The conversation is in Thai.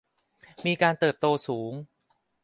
มีการเติบโตสูง